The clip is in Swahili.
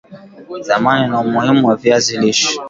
Thamani na umuhimu wa viazi lishe